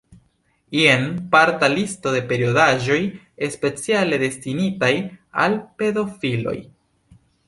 Jen parta listo de periodaĵoj speciale destinitaj al pedofiloj.